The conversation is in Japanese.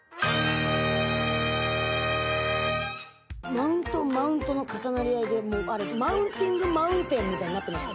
マウントマウントの重なり合いでマウンティングマウンテンみたいになってました。